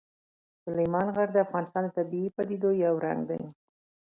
سلیمان غر د افغانستان د طبیعي پدیدو یو رنګ دی.